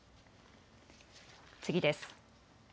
次です。